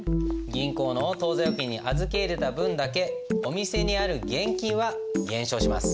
銀行の当座預金に預け入れた分だけお店にある現金は減少します。